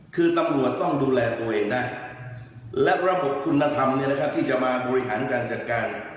คือตำรวจต้องดูแลตัวเองได้และระบบคุณธรรมที่จะมาบริหารการจัดการ